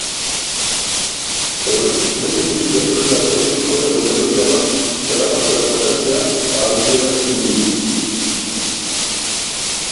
Horrek beste musika tresna batekin jotako melodia bat txalapartara pasatzea ahalbideratzen digu.